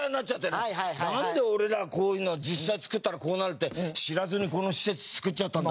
なんで俺らはこういうの実際造ったらこうなるって知らずにこの施設造っちゃったんだ。